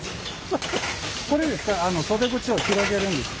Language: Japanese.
これですか？